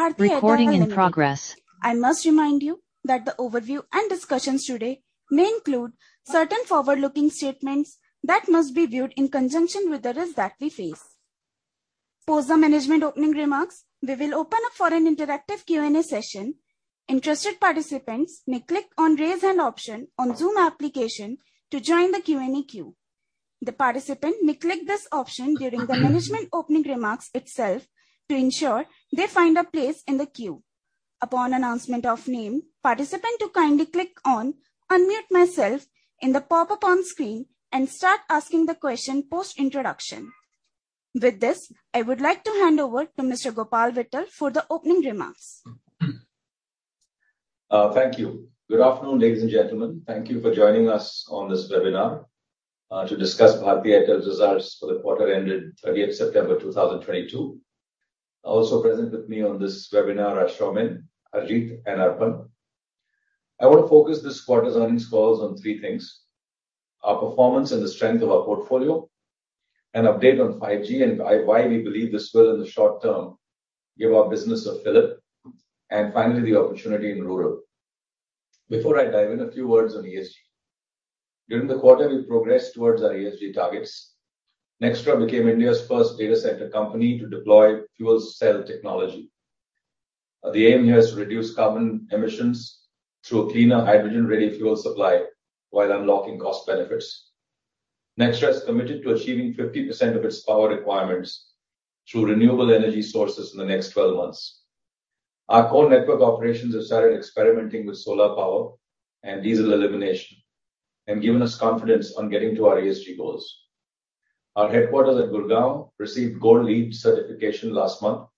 I must remind you that the overview and discussions today may include certain forward-looking statements that must be viewed in conjunction with the risks that we face. Post the management opening remarks, we will open up for an interactive Q&A session. Interested participants may click on Raise Hand option on Zoom application to join the Q&A queue. The participant may click this option during the management opening remarks itself to ensure they find a place in the queue. Upon announcement of name, participant to kindly click on Unmute Myself in the pop-up on screen and start asking the question post-introduction. With this, I would like to hand over to Mr. Gopal Vittal for the opening remarks. Thank you. Good afternoon, ladies and gentlemen. Thank you for joining us on this webinar, to discuss Bharti Airtel's results for the quarter ended 30 September 2022. Also present with me on this webinar are Soumen, Harjeet, and Arpan. I want to focus this quarter's earnings calls on three things. Our performance and the strength of our portfolio, an update on 5G and why we believe this will, in the short term, give our business a fillip, and finally, the opportunity in rural. Before I dive in, a few words on ESG. During the quarter, we progressed towards our ESG targets. Nxtra became India's first data center company to deploy fuel cell technology. The aim here is to reduce carbon emissions through a cleaner hydrogen-ready fuel supply while unlocking cost benefits. Nxtra is committed to achieving 50% of its power requirements through renewable energy sources in the next 12 months. Our core network operations have started experimenting with solar power and diesel elimination, and given us confidence on getting to our ESG goals. Our headquarters at Gurgaon received gold LEED certification last month.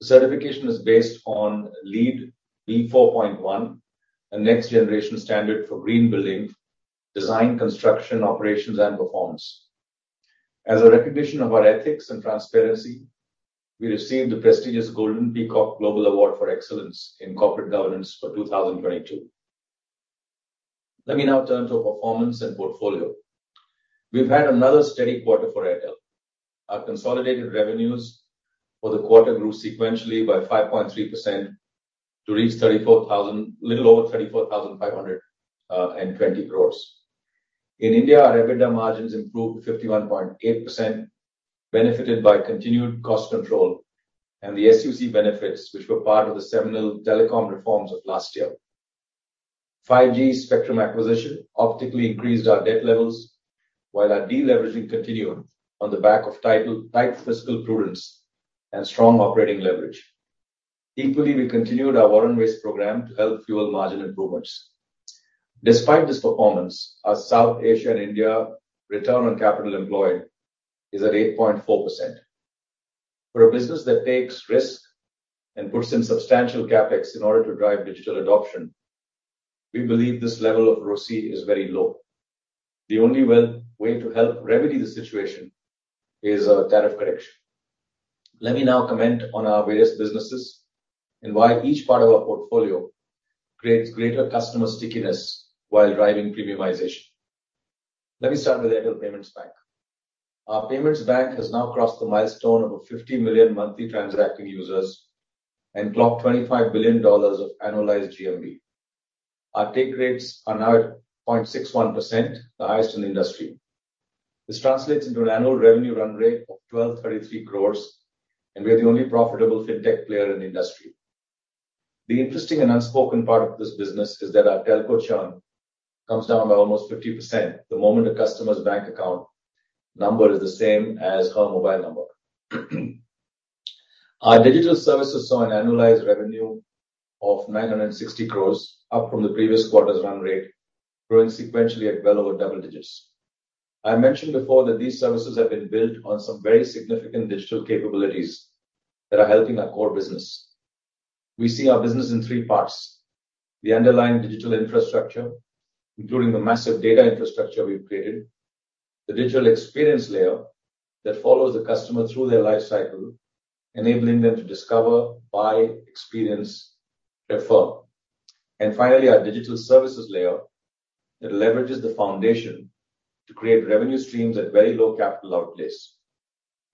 The certification is based on LEED v4.1, a next generation standard for green building, design, construction, operations, and performance. As a recognition of our ethics and transparency, we received the prestigious Golden Peacock Global Award for Excellence in Corporate Governance for 2022. Let me now turn to our performance and portfolio. We've had another steady quarter for Airtel. Our consolidated revenues for the quarter grew sequentially by 5.3% to reach a little over 34,520 crores. In India, our EBITDA margins improved to 51.8%, benefited by continued cost control and the SUC benefits which were part of the seminal telecom reforms of last year. 5G spectrum acquisition optically increased our debt levels while our de-leveraging continued on the back of tight fiscal prudence and strong operating leverage. Equally, we continued our War on Waste program to help fuel margin improvements. Despite this performance, our South Asia and India return on capital employed is at 8.4%. For a business that takes risk and puts in substantial CapEx in order to drive digital adoption, we believe this level of ROCE is very low. The only way to help remedy the situation is a tariff correction. Let me now comment on our various businesses and why each part of our portfolio creates greater customer stickiness while driving premiumization. Let me start with Airtel Payments Bank. Our payments bank has now crossed the milestone of 50 million monthly transacting users and clocked $25 billion of annualized GMV. Our take rates are now at 0.61%, the highest in the industry. This translates into an annual revenue run rate of 1,233 crores, and we are the only profitable fintech player in the industry. The interesting and unspoken part of this business is that our telco churn comes down by almost 50% the moment a customer's bank account number is the same as her mobile number. Our digital services saw an annualized revenue of 960 crores, up from the previous quarter's run rate, growing sequentially at well over double digits. I mentioned before that these services have been built on some very significant digital capabilities that are helping our core business. We see our business in three parts: the underlying digital infrastructure, including the massive data infrastructure we've created. The digital experience layer that follows the customer through their life cycle, enabling them to discover, buy, experience, refer. Finally, our digital services layer that leverages the foundation to create revenue streams at very low capital outlays.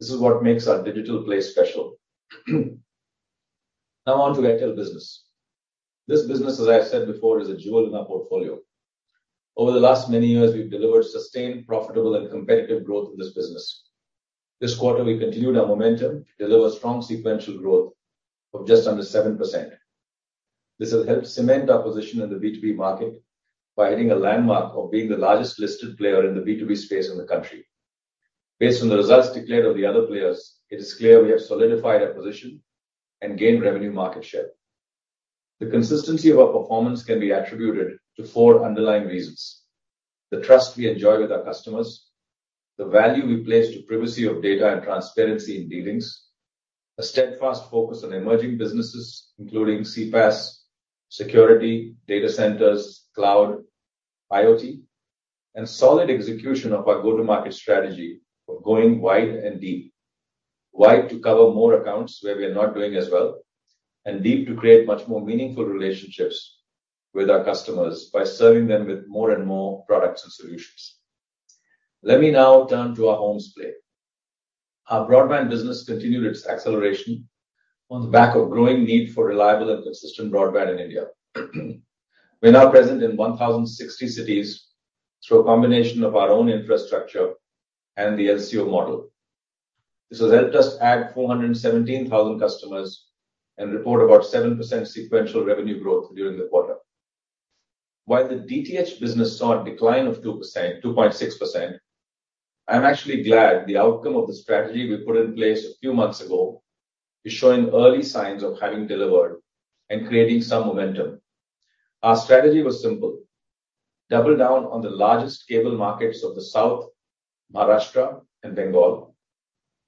This is what makes our digital play special. Now on to Airtel business. This business, as I said before, is a jewel in our portfolio. Over the last many years, we've delivered sustained, profitable and competitive growth in this business. This quarter we continued our momentum to deliver strong sequential growth of just under 7%. This has helped cement our position in the B2B market by hitting a landmark of being the largest listed player in the B2B space in the country. Based on the results declared of the other players, it is clear we have solidified our position and gained revenue market share. The consistency of our performance can be attributed to four underlying reasons. The trust we enjoy with our customers, the value we place on privacy of data and transparency in dealings, a steadfast focus on emerging businesses, including CPaaS, security, data centers, cloud, IoT, and solid execution of our go-to-market strategy of going wide and deep. Wide to cover more accounts where we are not doing as well, and deep to create much more meaningful relationships with our customers by serving them with more and more products and solutions. Let me now turn to our home split. Our broadband business continued its acceleration on the back of growing need for reliable and consistent broadband in India. We're now present in 1,060 cities through a combination of our own infrastructure and the LCO model. This has helped us add 417,000 customers and report about 7% sequential revenue growth during the quarter. While the DTH business saw a decline of 2.6%, I'm actually glad the outcome of the strategy we put in place a few months ago is showing early signs of having delivered and creating some momentum. Our strategy was simple. Double down on the largest cable markets of the South, Maharashtra and Bengal.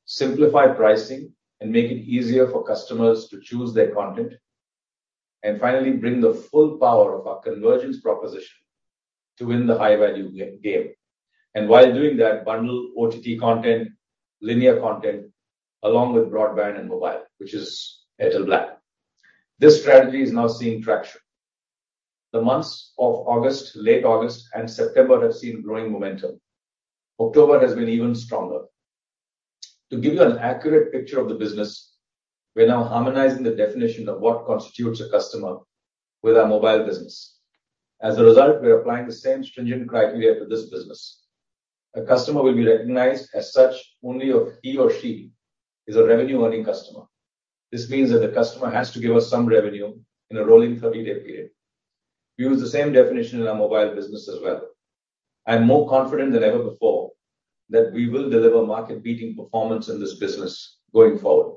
Simplify pricing and make it easier for customers to choose their content. And finally, bring the full power of our convergence proposition to win the high-value game. While doing that, bundle OTT content, linear content, along with broadband and mobile, which is Airtel Black. This strategy is now seeing traction. The months of August, late August and September have seen growing momentum. October has been even stronger. To give you an accurate picture of the business, we're now harmonizing the definition of what constitutes a customer with our mobile business. As a result, we are applying the same stringent criteria to this business. A customer will be recognized as such only if he or she is a revenue-earning customer. This means that the customer has to give us some revenue in a rolling 30-day period. We use the same definition in our mobile business as well. I am more confident than ever before that we will deliver market-beating performance in this business going forward.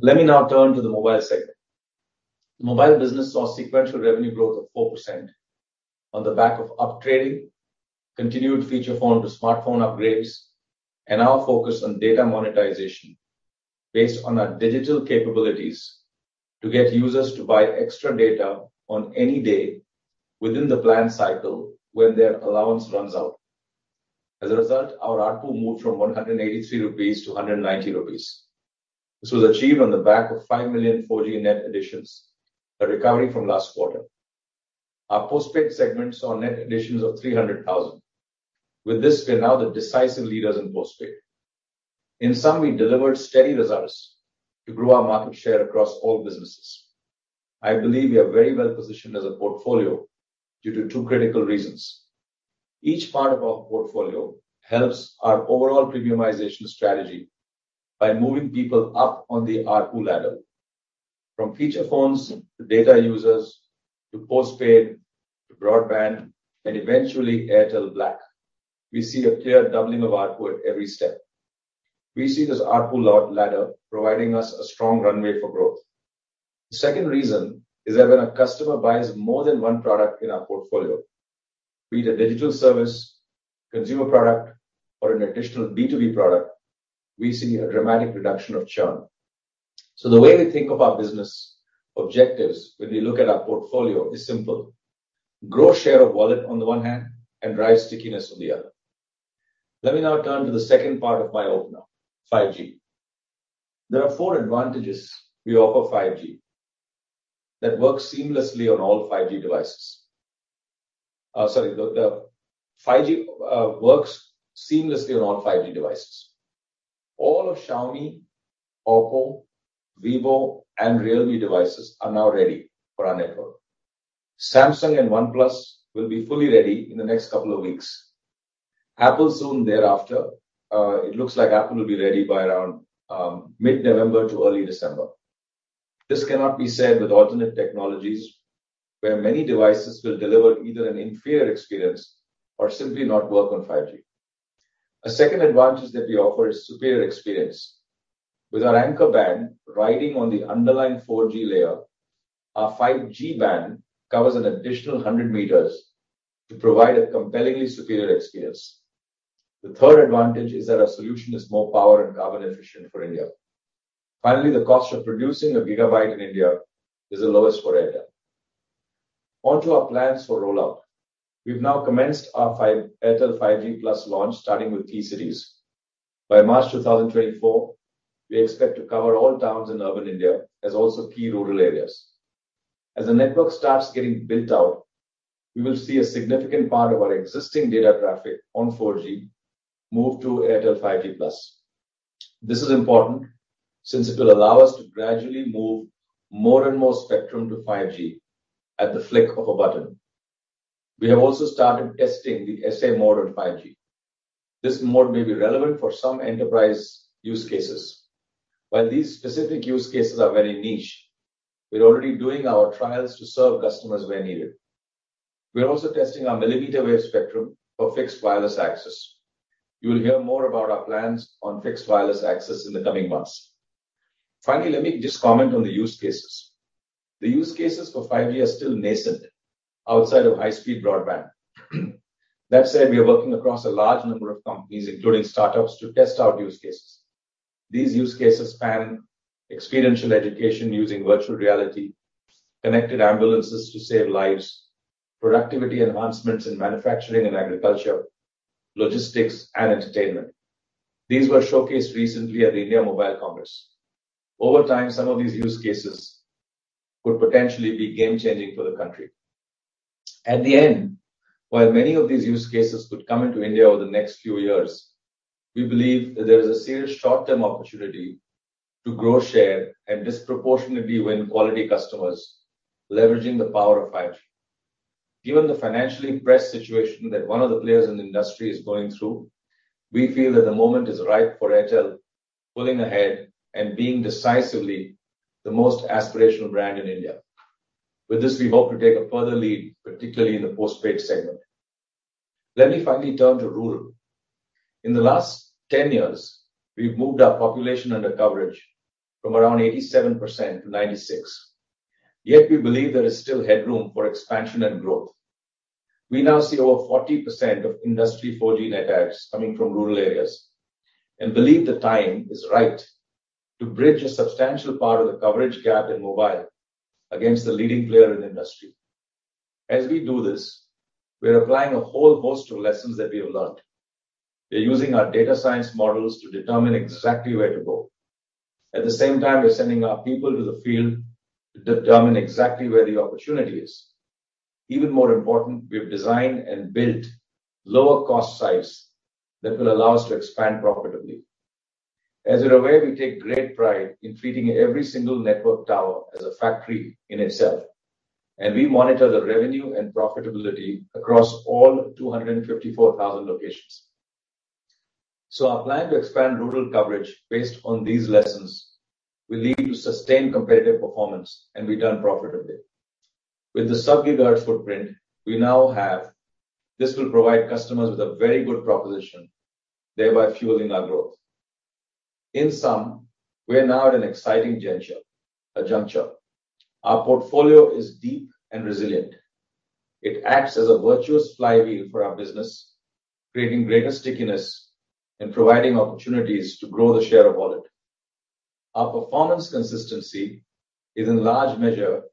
Let me now turn to the mobile segment. The mobile business saw sequential revenue growth of 4% on the back of up trading, continued feature phone to smartphone upgrades, and our focus on data monetization based on our digital capabilities to get users to buy extra data on any day within the plan cycle when their allowance runs out. As a result, our ARPU moved from 183 rupees to 190 rupees. This was achieved on the back of 5 million 4G net additions, a recovery from last quarter. Our postpaid segment saw net additions of 300,000. With this, we are now the decisive leaders in postpaid. In sum, we delivered steady results to grow our market share across all businesses. I believe we are very well positioned as a portfolio due to two critical reasons. Each part of our portfolio helps our overall premiumization strategy by moving people up on the ARPU ladder, from feature phones to data users, to postpaid, to broadband and eventually Airtel Black. We see a clear doubling of ARPU at every step. We see this ARPU ladder providing us a strong runway for growth. The second reason is that when a customer buys more than one product in our portfolio, be it a digital service, consumer product, or an additional B2B product, we see a dramatic reduction of churn. The way we think of our business objectives when we look at our portfolio is simple. Grow share of wallet on the one hand and drive stickiness on the other. Let me now turn to the second part of my opener, 5G. There are four advantages we offer 5G that work seamlessly on all 5G devices. 5G works seamlessly on all 5G devices. All of Xiaomi, Oppo, Vivo, and Realme devices are now ready for our network. Samsung and OnePlus will be fully ready in the next couple of weeks. Apple soon thereafter. It looks like Apple will be ready by around mid-November to early December. This cannot be said with alternate technologies, where many devices will deliver either an inferior experience or simply not work on 5G. A second advantage that we offer is superior experience. With our anchor band riding on the underlying 4G layer, our 5G band covers an additional 100 m to provide a compellingly superior experience. The third advantage is that our solution is more power and carbon efficient for India. Finally, the cost of producing a gigabyte in India is the lowest for India. Onto our plans for rollout. We've now commenced our Airtel 5G+ launch starting with key cities. By March 2024, we expect to cover all towns in urban India, as also key rural areas. As the network starts getting built out, we will see a significant part of our existing data traffic on 4G move to Airtel 5G+. This is important since it will allow us to gradually move more and more spectrum to 5G at the flick of a button. We have also started testing the SA mode on 5G. This mode may be relevant for some enterprise use cases. While these specific use cases are very niche, we're already doing our trials to serve customers where needed. We are also testing our millimeter wave spectrum for fixed wireless access. You will hear more about our plans on fixed wireless access in the coming months. Finally, let me just comment on the use cases. The use cases for 5G are still nascent outside of high-speed broadband. That said, we are working across a large number of companies, including startups, to test out use cases. These use cases span experiential education using virtual reality, connected ambulances to save lives, productivity enhancements in manufacturing and agriculture, logistics and entertainment. These were showcased recently at the India Mobile Congress. Over time, some of these use cases could potentially be game changing for the country. At the end, while many of these use cases could come into India over the next few years, we believe that there is a serious short-term opportunity to grow share and disproportionately win quality customers leveraging the power of 5G. Given the financially pressed situation that one of the players in the industry is going through, we feel that the moment is right for Airtel pulling ahead and being decisively the most aspirational brand in India. With this, we hope to take a further lead, particularly in the postpaid segment. Let me finally turn to rural. In the last 10 years, we've moved our population under coverage from around 87% to 96%, yet we believe there is still headroom for expansion and growth. We now see over 40% of industry 4G net adds coming from rural areas and believe the time is right to bridge a substantial part of the coverage gap in mobile against the leading player in the industry. As we do this, we are applying a whole host of lessons that we have learned. We are using our data science models to determine exactly where to go. At the same time, we're sending our people to the field to determine exactly where the opportunity is. Even more important, we have designed and built lower cost sites that will allow us to expand profitably. As you're aware, we take great pride in treating every single network tower as a factory in itself, and we monitor the revenue and profitability across all 254,000 locations. Our plan to expand rural coverage based on these lessons will lead to sustained competitive performance and be done profitably. With the sub-Gigahertz footprint we now have, this will provide customers with a very good proposition, thereby fueling our growth. In sum, we are now at an exciting juncture. Our portfolio is deep and resilient. It acts as a virtuous flywheel for our business, creating greater stickiness and providing opportunities to grow the share of wallet. Our performance consistency is in large measure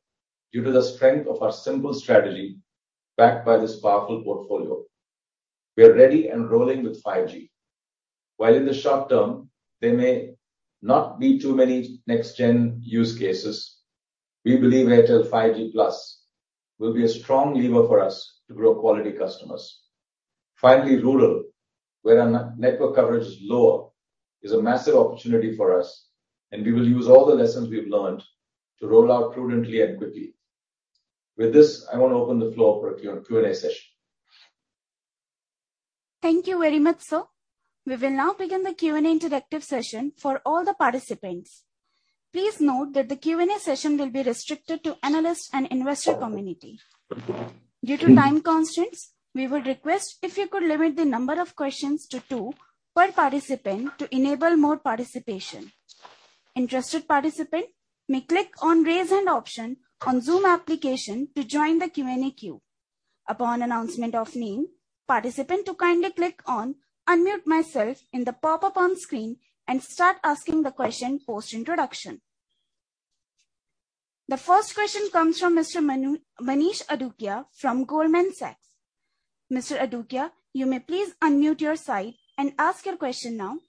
due to the strength of our simple strategy backed by this powerful portfolio. We are ready and rolling with 5G. While in the short term there may not be too many next-gen use cases, we believe Airtel 5G+ will be a strong lever for us to grow quality customers. Finally, rural, where our network coverage is lower, is a massive opportunity for us, and we will use all the lessons we've learned to roll out prudently and quickly. With this, I want to open the floor for Q&A session. Thank you very much, sir. We will now begin the Q&A interactive session for all the participants. Please note that the Q&A session will be restricted to analysts and investor community. Due to time constraints, we would request if you could limit the number of questions to two per participant to enable more participation. Interested participant may click on Raise Hand option on Zoom application to join the Q&A queue. Upon announcement of name, participant to kindly click on Unmute Myself in the pop-up on screen and start asking the question post-introduction. The first question comes from Mr. Manish Adukia from Goldman Sachs. Mr. Adukia, you may please unmute your side and ask your question now.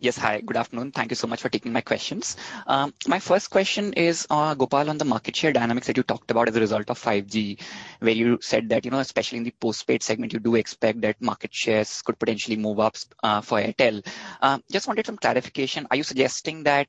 Yes. Hi, good afternoon. Thank you so much for taking my questions. My first question is, Gopal, on the market share dynamics that you talked about as a result of 5G, where you said that, you know, especially in the postpaid segment, you do expect that market shares could potentially move up for Airtel. Just wanted some clarification. Are you suggesting that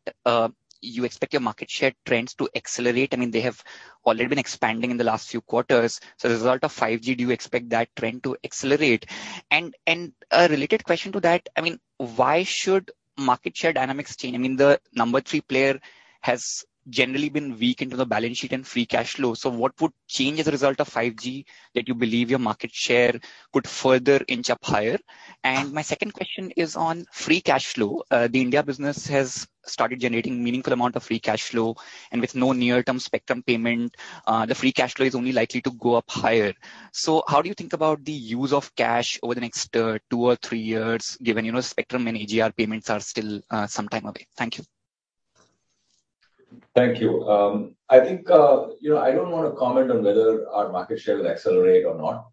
you expect your market share trends to accelerate? I mean, they have already been expanding in the last few quarters, so as a result of 5G, do you expect that trend to accelerate? A related question to that, I mean, why should market share dynamics change? I mean, the number three player has generally been weak on the balance sheet and free cash flow. What would change as a result of 5G that you believe your market share could further inch up higher? My second question is on free cash flow. The India business has started generating meaningful amount of free cash flow, and with no near-term spectrum payment, the free cash flow is only likely to go up higher. How do you think about the use of cash over the next, two or three years, given, you know, spectrum and AGR payments are still, some time away? Thank you. Thank you. I think, you know, I don't wanna comment on whether our market share will accelerate or not.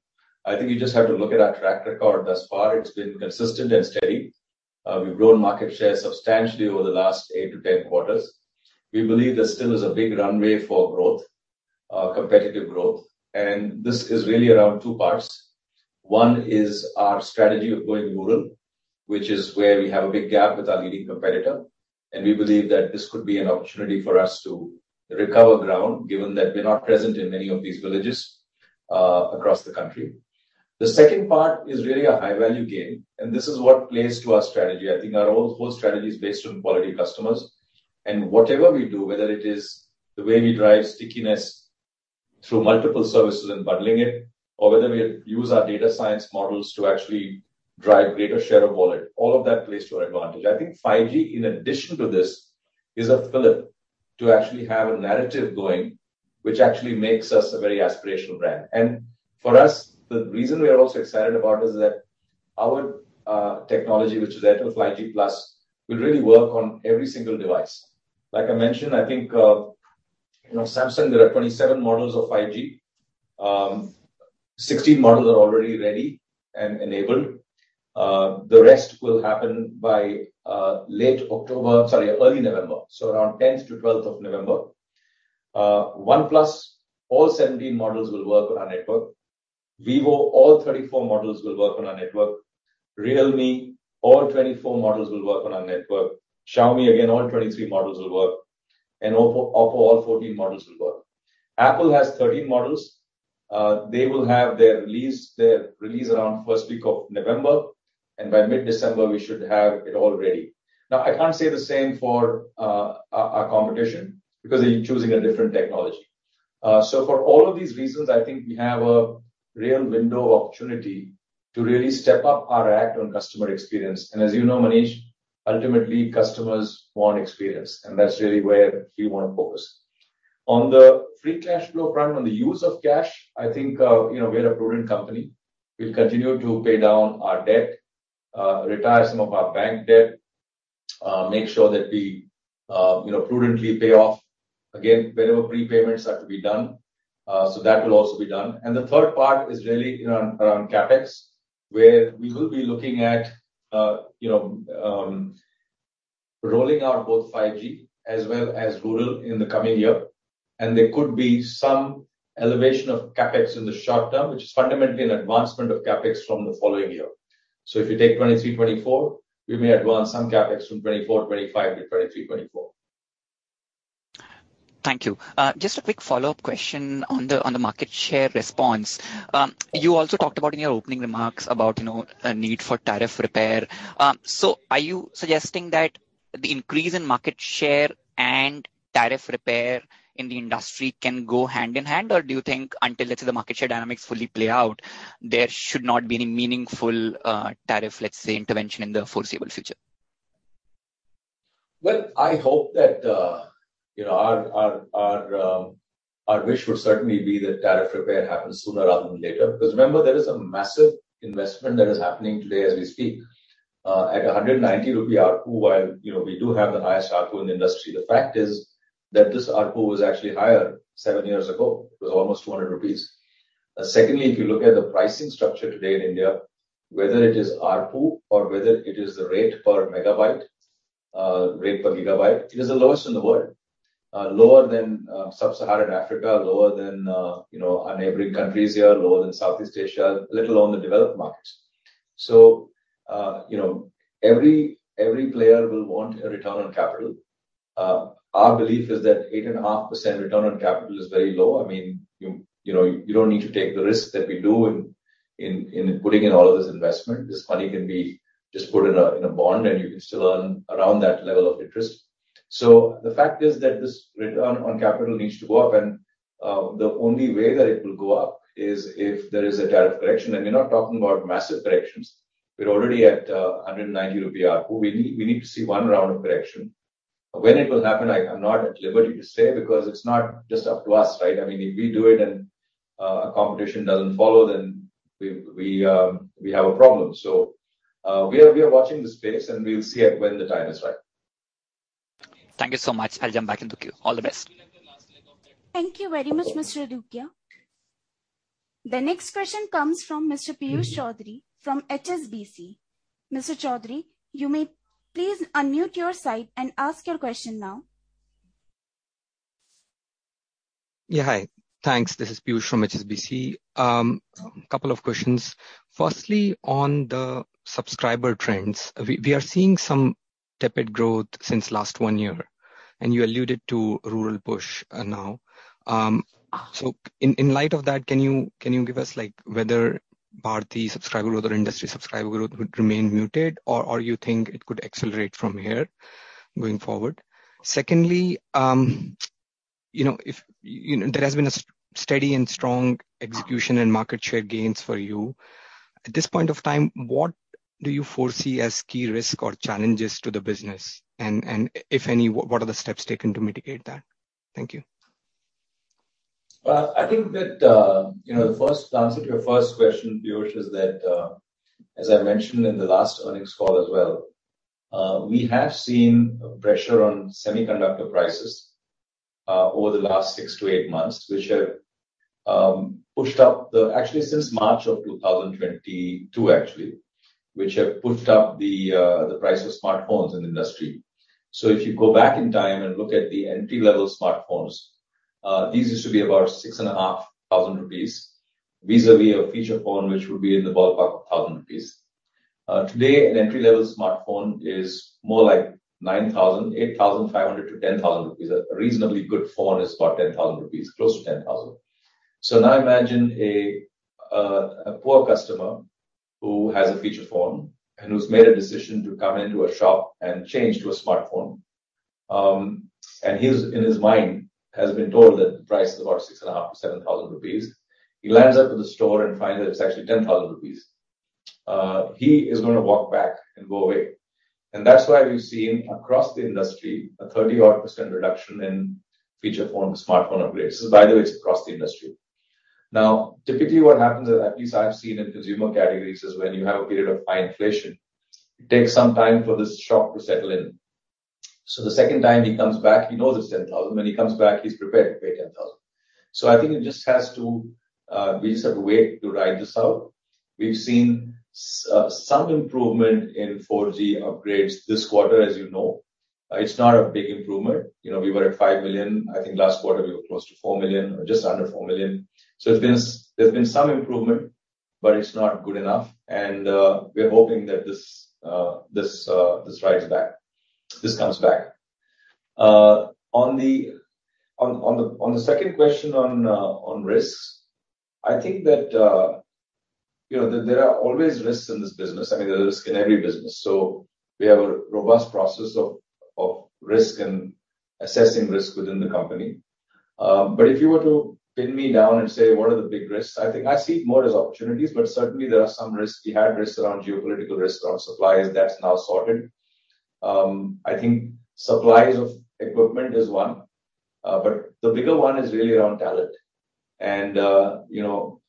I think you just have to look at our track record. Thus far, it's been consistent and steady. We've grown market share substantially over the last 8-10 quarters. We believe there still is a big runway for growth, competitive growth, and this is really around two parts. One is our strategy of going rural, which is where we have a big gap with our leading competitor, and we believe that this could be an opportunity for us to recover ground, given that we're not present in many of these villages, across the country. The second part is really a high value game, and this is what plays to our strategy. I think our whole strategy is based on quality customers. Whatever we do, whether it is the way we drive stickiness through multiple services and bundling it, or whether we use our data science models to actually drive greater share of wallet, all of that plays to our advantage. I think 5G, in addition to this, is a fillip to actually have a narrative going which actually makes us a very aspirational brand. For us, the reason we are also excited about is that our technology, which is Airtel 5G+, will really work on every single device. Like I mentioned, I think, you know, Samsung, there are 27 models of 5G, 16 models are already ready and enabled. The rest will happen by early November, so around 10th to 12th of November. OnePlus, all 17 models will work on our network. Vivo, all 34 models will work on our network. Realme, all 24 models will work on our network. Xiaomi, again, all 23 models will work. Oppo, all 14 models will work. Apple has 13 models. They will have their release around first week of November, and by mid-December we should have it all ready. Now, I can't say the same for our competition because they're choosing a different technology. For all of these reasons, I think we have a real window of opportunity to really step up our act on customer experience. As you know, Manish, ultimately customers want experience and that's really where we wanna focus. On the free cash flow front, on the use of cash, I think, you know, we are a prudent company. We'll continue to pay down our debt, retire some of our bank debt, make sure that we, you know, prudently pay off, again, wherever prepayments are to be done, so that will also be done. The third part is really around CapEx, where we will be looking at, you know, rolling out both 5G as well as rural in the coming year. There could be some elevation of CapEx in the short term, which is fundamentally an advancement of CapEx from the following year. If you take 2023-2024, we may advance some CapEx from 2024-2025 to 2023-2024. Thank you. Just a quick follow-up question on the market share response. You also talked about in your opening remarks about, you know, a need for tariff repair. Are you suggesting that the increase in market share and tariff repair in the industry can go hand in hand? Or do you think until, let's say, the market share dynamics fully play out, there should not be any meaningful tariff, let's say, intervention in the foreseeable future? Well, I hope that, you know, our wish would certainly be that tariff repair happens sooner rather than later. Because remember, there is a massive investment that is happening today as we speak, at 190 rupee ARPU while, you know, we do have the highest ARPU in the industry. The fact is that this ARPU was actually higher 7 years ago. It was almost 200 rupees. Secondly, if you look at the pricing structure today in India, whether it is ARPU or whether it is the rate per megabyte, rate per gigabyte, it is the lowest in the world. Lower than Sub-Saharan Africa, lower than, you know, our neighboring countries here, lower than Southeast Asia, let alone the developed markets. Every player will want a return on capital. Our belief is that 8.5% return on capital is very low. I mean, you know, you don't need to take the risk that we do in putting in all of this investment. This money can be just put in a bond and you can still earn around that level of interest. The fact is that this return on capital needs to go up and the only way that it will go up is if there is a tariff correction. We're not talking about massive corrections. We're already at 190 rupee ARPU. We need to see one round of correction. When it will happen, I'm not at liberty to say because it's not just up to us, right? I mean, if we do it and competition doesn't follow then we have a problem. We are watching the space and we'll see it when the time is right. Thank you so much. I'll jump back into queue. All the best. Thank you very much, Mr. Adukia. The next question comes from Mr. Piyush Choudhary from HSBC. Mr. Choudhary, you may please unmute your side and ask your question now. Yeah. Hi. Thanks. This is Piyush Choudhary from HSBC. A couple of questions. Firstly, on the subscriber trends, we are seeing some tepid growth since last one year, and you alluded to rural push now. So in light of that, can you give us like whether Bharti subscriber or other industry subscriber growth would remain muted or you think it could accelerate from here going forward? Secondly, you know, there has been a steady and strong execution and market share gains for you. At this point of time what do you foresee as key risks or challenges to the business? And if any, what are the steps taken to mitigate that? Thank you. Well, I think that, you know, the answer to your first question, Piyush, is that, as I mentioned in the last earnings call as well, we have seen pressure on semiconductor prices over the last 6-8 months. Actually, since March 2022, which have pushed up the price of smartphones in the industry. If you go back in time and look at the entry-level smartphones, these used to be about 6,500 rupees vis-à-vis a feature phone which would be in the ballpark of 1,000 rupees. Today an entry-level smartphone is more like 9,000, 8,500-10,000 rupees. A reasonably good phone is about 10,000 rupees, close to 10,000. Now imagine a poor customer who has a feature phone and who's made a decision to come into a shop and change to a smartphone, and his, in his mind has been told that the price is about 6,500-7,000 rupees. He lands up in the store and finds out it's actually 10,000 rupees. He is gonna walk back and go away. And that's why we've seen across the industry a 30-odd percent reduction in feature phone to smartphone upgrades. This is by the way, it's across the industry. Now, typically what happens is, at least I've seen in consumer categories, is when you have a period of high inflation it takes some time for this shock to settle in. The second time he comes back, he knows it's 10,000. When he comes back, he's prepared to pay 10,000. I think it just has to be some way to ride this out. We've seen some improvement in 4G upgrades this quarter, as you know. It's not a big improvement. You know, we were at 5 million. I think last quarter we were close to 4 million or just under 4 million. There's been some improvement, but it's not good enough. We're hoping that this comes back. On the second question on risks, I think that you know, there are always risks in this business. I mean, there are risks in every business. We have a robust process of risk and assessing risk within the company. If you were to pin me down and say, what are the big risks? I think I see it more as opportunities, but certainly there are some risks. We had risks around geopolitical risks, around suppliers. That's now sorted. I think supplies of equipment is one, but the bigger one is really around talent. You know,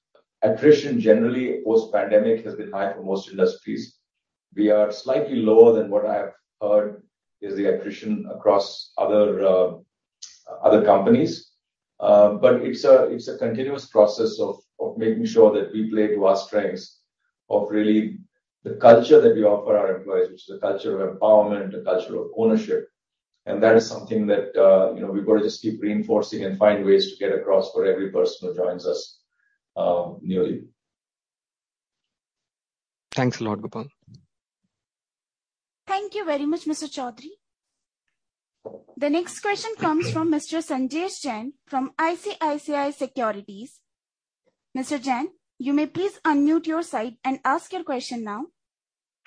attrition generally post-pandemic has been high for most industries. We are slightly lower than what I've heard is the attrition across other companies. It's a continuous process of making sure that we play to our strengths of really the culture that we offer our employees, which is a culture of empowerment, a culture of ownership. That is something that, you know, we've got to just keep reinforcing and find ways to get across for every person who joins us, newly. Thanks a lot, Gopal. Thank you very much, Mr. Choudhary. The next question comes from Mr. Sanjesh Jain from ICICI Securities. Mr. Jain, you may please unmute your side and ask your question now.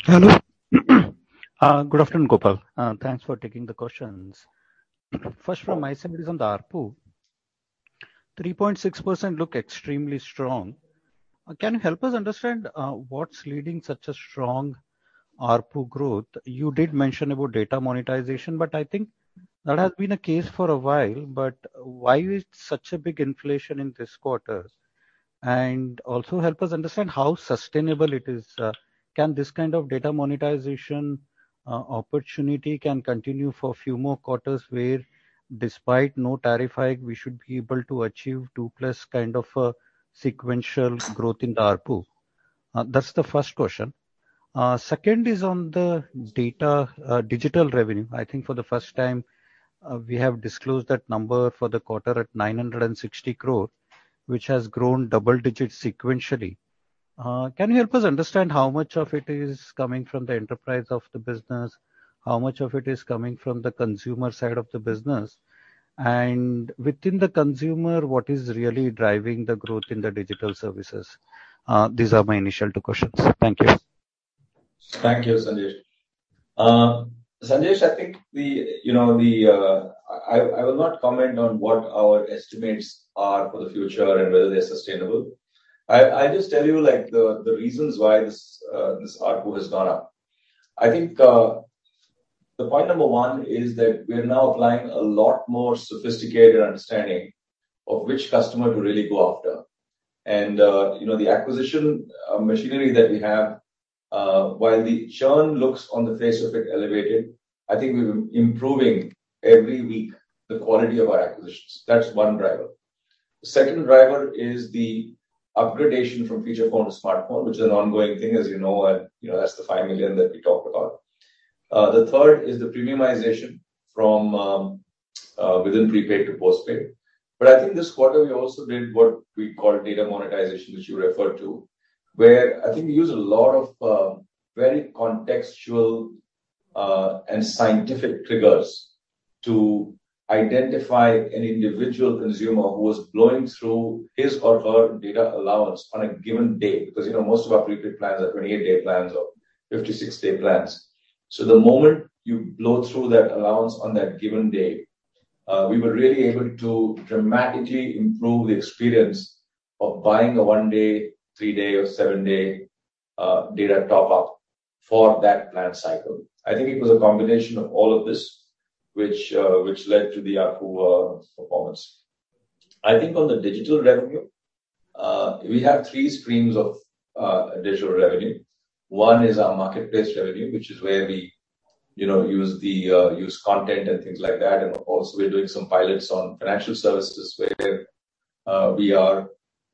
Hello. Good afternoon, Gopal. Thanks for taking the questions. First from my side is on the ARPU. 3.6% look extremely strong. Can you help us understand what's leading such a strong ARPU growth? You did mention about data monetization, but I think that has been the case for a while. But why is such a big inflation in this quarter? And also help us understand how sustainable it is. Can this kind of data monetization opportunity continue for a few more quarters where despite no tariff hike, we should be able to achieve 2+ kind of a sequential growth in the ARPU? That's the first question. Second is on the data digital revenue. I think for the first time, we have disclosed that number for the quarter at 960 crore, which has grown double digit sequentially. Can you help us understand how much of it is coming from the enterprise of the business? How much of it is coming from the consumer side of the business? And within the consumer, what is really driving the growth in the digital services? These are my initial two questions. Thank you. Thank you, Sanjesh. I will not comment on what our estimates are for the future and whether they're sustainable. I just tell you the reasons why this ARPU has gone up. I think the point number one is that we are now applying a lot more sophisticated understanding of which customer to really go after. The acquisition machinery that we have, while the churn looks on the face of it elevated, I think we're improving every week the quality of our acquisitions. That's one driver. The second driver is the upgradation from feature phone to smartphone, which is an ongoing thing, as you know, that's the 5 million that we talked about. The third is the premiumization from within prepaid to postpaid. I think this quarter we also did what we call data monetization, which you referred to, where I think we use a lot of very contextual and scientific triggers to identify an individual consumer who is blowing through his or her data allowance on a given day. Because, you know, most of our prepaid plans are 28-day plans or 56-day plans. The moment you blow through that allowance on that given day, we were really able to dramatically improve the experience of buying a 1-day, 3-day or 7-day data top-up for that plan cycle. I think it was a combination of all of this which led to the ARPU performance. I think on the digital revenue, we have three streams of digital revenue. One is our marketplace revenue, which is where we, you know, use content and things like that. Also we're doing some pilots on financial services where we are,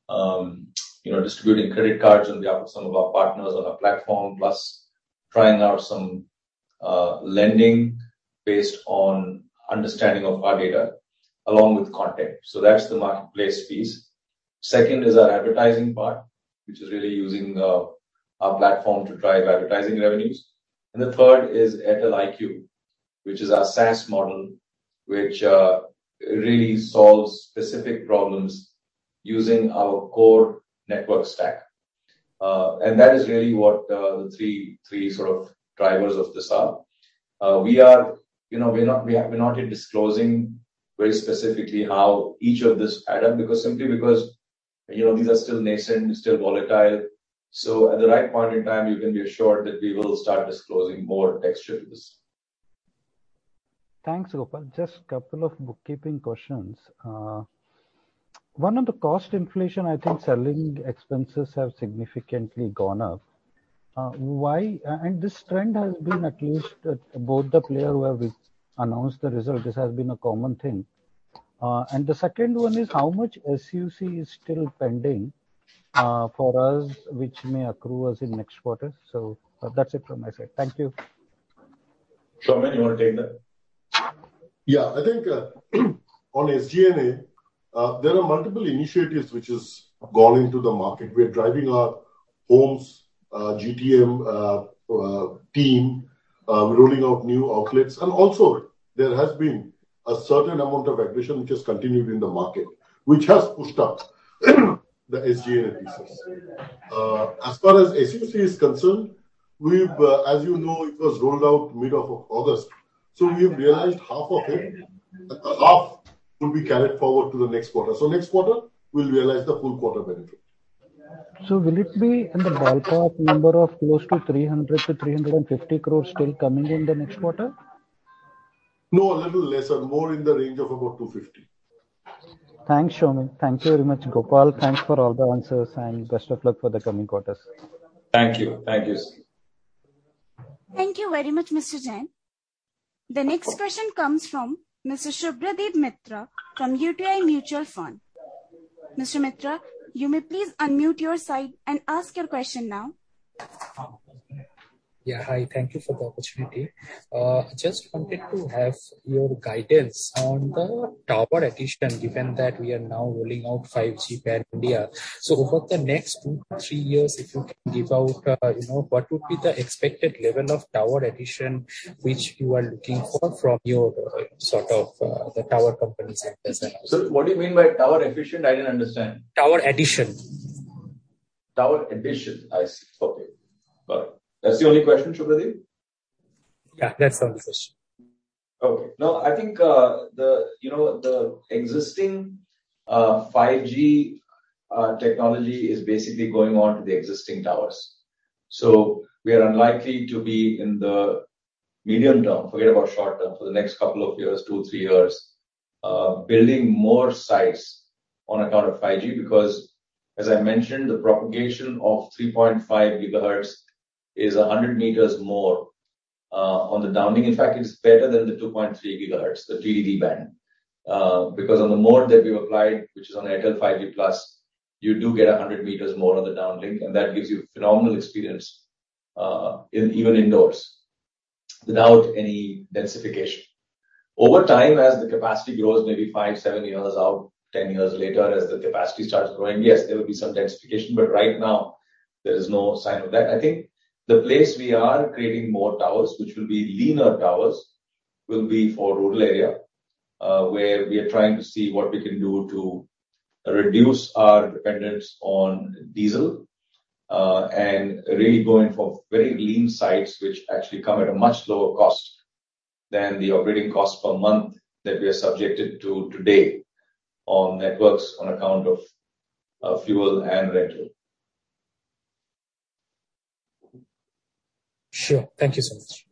you know, distributing credit cards on behalf of some of our partners on our platform, plus trying out some lending based on understanding of our data along with content. That's the marketplace piece. Second is our advertising part, which is really using our platform to drive advertising revenues. The third is Airtel IQ, which is our SaaS model, which really solves specific problems using our core network stack. That is really what the three sort of drivers of this are. you know, we're not yet disclosing very specifically how each of this add up, because, you know, these are still nascent, still volatile. At the right point in time, you can be assured that we will start disclosing more texture to this. Thanks, Gopal. Just a couple of bookkeeping questions. One on the cost inflation, I think selling expenses have significantly gone up. Why? And this trend has been at least, both the player who have announced the result, this has been a common thing. And the second one is how much SUC is still pending, for us, which may accrue us in next quarter. That's it from my side. Thank you. Soumen, you wanna take that? Yeah. I think on SG&A, there are multiple initiatives which is going to the market. We are driving our homes GTM team, we're rolling out new outlets. Also there has been a certain amount of attrition which has continued in the market, which has pushed up the SG&A pieces. As far as SUC is concerned, we've, as you know, it was rolled out mid of August, so we've realized half of it, half will be carried forward to the next quarter. Next quarter we'll realize the full quarter benefit. Will it be in the ballpark number of close to 300 crores-350 crores still coming in the next quarter? No, a little less and more in the range of about 250. Thanks, Soumen. Thank you very much, Gopal. Thanks for all the answers, and best of luck for the coming quarters. Thank you. Thank you, sir. Thank you very much, Mr. Jain. The next question comes from Mr. Shubhradeep Mitra from UTI Mutual Fund. Mr. Mitra, you may please unmute your side and ask your question now. Yeah, hi. Thank you for the opportunity. Just wanted to have your guidance on the tower addition, given that we are now rolling out 5G in India. Over the next 2-3 years, if you can give out, you know, what would be the expected level of tower addition which you are looking for from your, sort of, the tower company sector analysis. Sorry, what do you mean by tower efficient? I didn't understand. Tower addition. Tower addition. I see. Okay. Got it. That's the only question, Shubhradeep? Yeah, that's the only question. Okay. No, I think, you know, the existing 5G technology is basically going on to the existing towers. We are unlikely to be in the medium term, forget about short term, for the next couple of years, 2-3 years, building more sites on account of 5G because as I mentioned, the propagation of 3.5 GHz is 100 m more on the downlink. In fact, it is better than the 2.3 GHz, the TDD band. Because on the mode that we've applied, which is on Airtel 5G Plus, you do get 100 m more on the downlink, and that gives you phenomenal experience even indoors without any densification. Over time, as the capacity grows, maybe 5, 7 years out, 10 years later, as the capacity starts growing, yes, there will be some densification, but right now there is no sign of that. I think the place we are creating more towers, which will be leaner towers, will be for rural area, where we are trying to see what we can do to reduce our dependence on diesel, and really going for very lean sites which actually come at a much lower cost than the operating cost per month that we are subjected to today on networks on account of, fuel and rental. Sure. Thank you so much.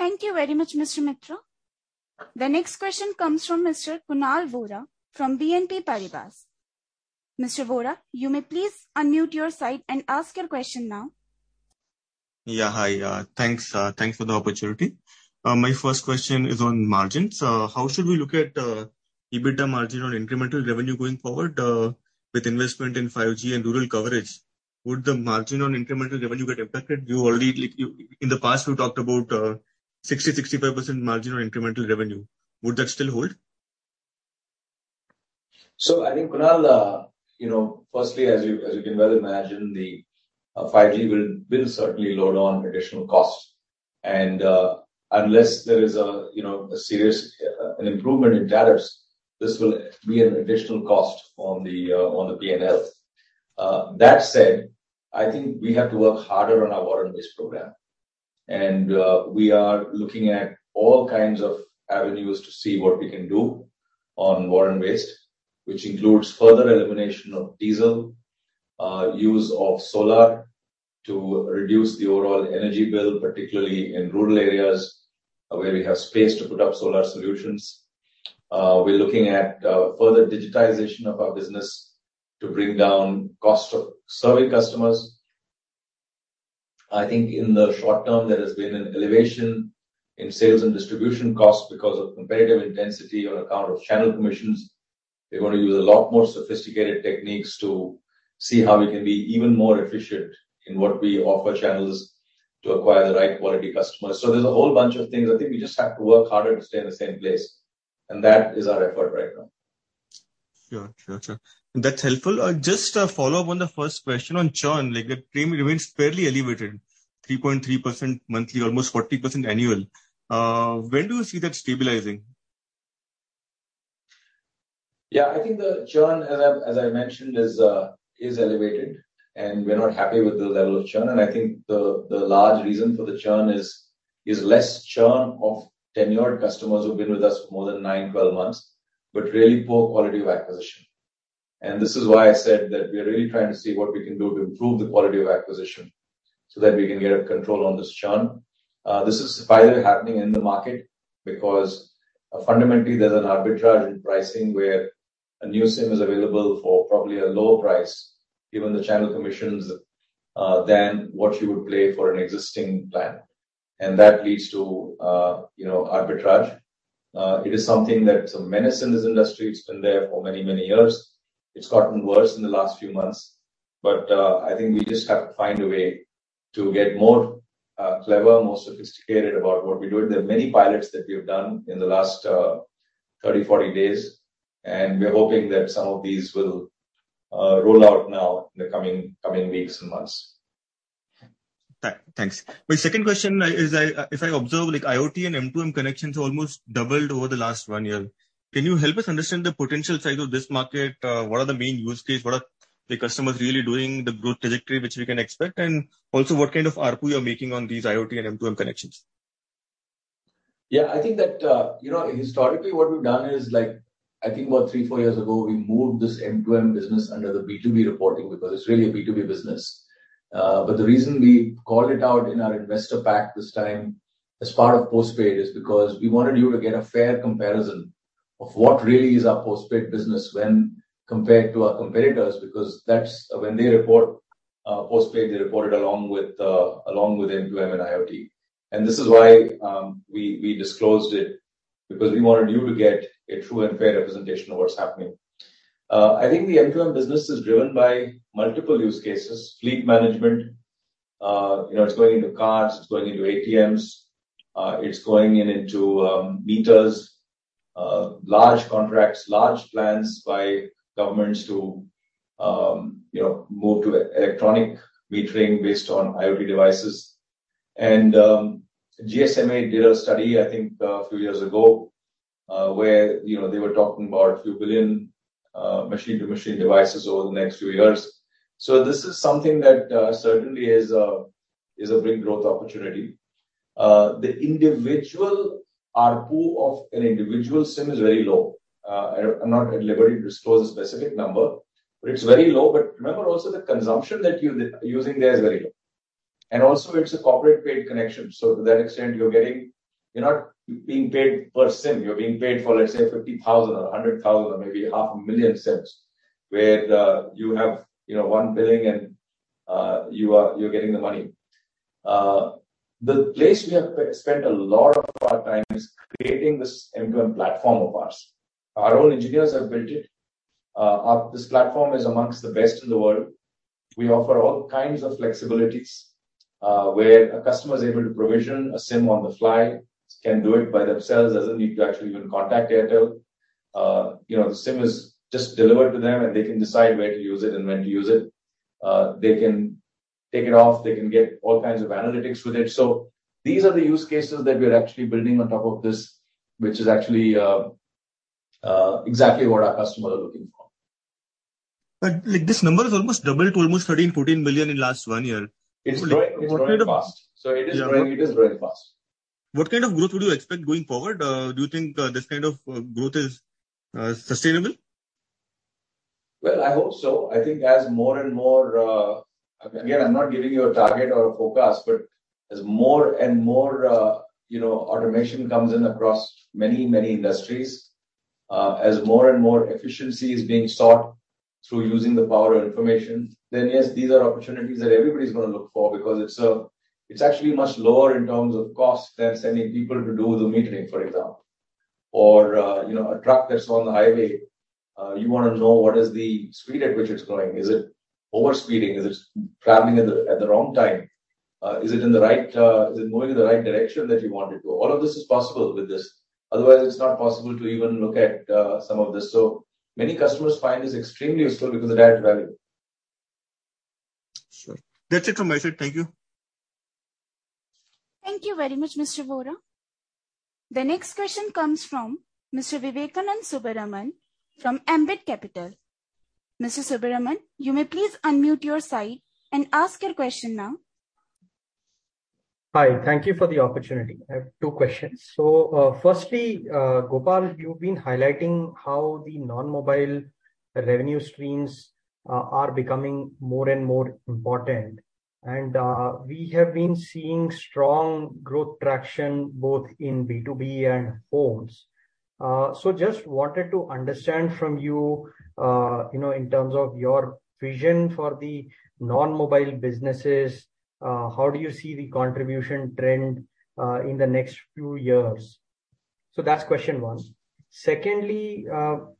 Thank you very much, Mr. Mitra. The next question comes from Mr. Kunal Vora from BNP Paribas. Mr. Vora, you may please unmute your side and ask your question now. Yeah. Hi. Thanks for the opportunity. My first question is on margins. How should we look at EBITDA margin on incremental revenue going forward with investment in 5G and rural coverage? Would the margin on incremental revenue get impacted? In the past you talked about 60%-65% margin on incremental revenue. Would that still hold? I think, Kunal, firstly, as you can well imagine, the 5G will certainly load on additional cost. Unless there is a serious improvement in tariffs, this will be an additional cost on the P&L. That said, I think we have to work harder on our War on Waste program. We are looking at all kinds of avenues to see what we can do on War on Waste, which includes further elimination of diesel, use of solar to reduce the overall energy bill, particularly in rural areas where we have space to put up solar solutions. We're looking at further digitization of our business to bring down cost of serving customers. I think in the short term, there has been an elevation in sales and distribution costs because of competitive intensity on account of channel commissions. We're gonna use a lot more sophisticated techniques to see how we can be even more efficient in what we offer channels to acquire the right quality customers. There's a whole bunch of things. I think we just have to work harder to stay in the same place, and that is our effort right now. Sure. That's helpful. Just a follow-up on the first question on churn, like, the premium remains fairly elevated, 3.3% monthly, almost 40% annual. When do you see that stabilizing? Yeah. I think the churn, as I mentioned, is elevated, and we're not happy with the level of churn. I think the large reason for the churn is less churn of tenured customers who've been with us more than nine, 12 months, but really poor quality of acquisition. This is why I said that we are really trying to see what we can do to improve the quality of acquisition so that we can get a control on this churn. This is finally happening in the market because fundamentally, there's an arbitrage in pricing where a new SIM is available for probably a lower price, given the channel commissions, than what you would pay for an existing plan. That leads to, you know, arbitrage. It is something that's a menace in this industry. It's been there for many, many years. It's gotten worse in the last few months, but I think we just have to find a way to get more clever, more sophisticated about what we're doing. There are many pilots that we have done in the last 30, 40 days, and we're hoping that some of these will roll out now in the coming weeks and months. Thanks. My second question is, if I observe, like, IoT and M2M connections almost doubled over the last one year. Can you help us understand the potential size of this market? What are the main use case? What are the customers really doing, the growth trajectory which we can expect? Also what kind of ARPU you're making on these IoT and M2M connections? Yeah, I think that historically, what we've done is I think about three, four years ago, we moved this M2M business under the B2B reporting because it's really a B2B business. The reason we called it out in our investor pack this time as part of postpaid is because we wanted you to get a fair comparison of what really is our postpaid business when compared to our competitors, because that's when they report postpaid, they report it along with M2M and IoT. This is why we disclosed it, because we wanted you to get a true and fair representation of what's happening. I think the M2M business is driven by multiple use cases. Fleet management, it's going into cars, it's going into ATMs, it's going into meters. Large contracts, large plans by governments to, you know, move to electronic metering based on IoT devices. GSMA did a study, I think, a few years ago, where, you know, they were talking about a few billion machine-to-machine devices over the next few years. This is something that certainly is a big growth opportunity. The individual ARPU of an individual SIM is very low. I'm not at liberty to disclose a specific number, but it's very low. Remember also the consumption that you're using there is very low. Also it's a corporate paid connection, so to that extent you're getting you're not being paid per SIM. You're being paid for, let's say, 50,000 or 100,000 or maybe half a million SIMs. Where you have, you know, one billing and you are, you're getting the money. The place we have spent a lot of our time is creating this M2M platform of ours. Our own engineers have built it. This platform is amongst the best in the world. We offer all kinds of flexibilities, where a customer is able to provision a SIM on the fly, can do it by themselves, doesn't need to actually even contact Airtel. You know, the SIM is just delivered to them, and they can decide where to use it and when to use it. They can take it off. They can get all kinds of analytics with it. So these are the use cases that we are actually building on top of this, which is actually exactly what our customers are looking for. like, this number has almost doubled to almost 13 billion-14 billion in last 1 year. It's growing fast. What kind of- It is growing fast. What kind of growth would you expect going forward? Do you think this kind of growth is sustainable? Well, I hope so. I think as more and more, Again, I'm not giving you a target or a forecast, but as more and more, you know, automation comes in across many, many industries, as more and more efficiency is being sought through using the power of information, then yes, these are opportunities that everybody's gonna look for because it's actually much lower in terms of cost than sending people to do the metering, for example. Or, you know, a truck that's on the highway, you wanna know what is the speed at which it's going. Is it overspeeding? Is it traveling at the wrong time? Is it in the right, is it moving in the right direction that you want it to? All of this is possible with this. Otherwise, it's not possible to even look at some of this. Many customers find this extremely useful because it adds value. Sure. That's it from my side. Thank you. Thank you very much, Mr. Vora. The next question comes from Mr. Vivekanand Subramaniam from Ambit Capital. Mr. Subramaniam, you may please unmute your side and ask your question now. Hi. Thank you for the opportunity. I have two questions. Firstly, Gopal, you've been highlighting how the non-mobile revenue streams are becoming more and more important. We have been seeing strong growth traction both in B2B and homes. Just wanted to understand from you know, in terms of your vision for the non-mobile businesses, how do you see the contribution trend in the next few years? That's question one. Secondly,